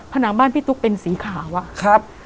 ผนังบ้านพี่ตุ๊กเป็นสีขาวอะครับ